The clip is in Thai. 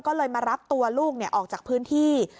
ก็เลยมารับตัวลูกออกจากพื้นที่